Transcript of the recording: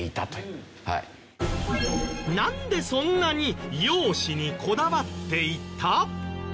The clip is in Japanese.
なんでそんなに容姿にこだわっていた？